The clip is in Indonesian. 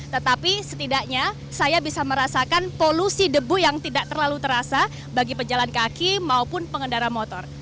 tetapi setidaknya saya bisa merasakan polusi debu yang tidak terlalu terasa bagi pejalan kaki maupun pengendara motor